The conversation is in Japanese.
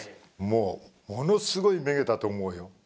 もうものすごいめげたと思うよ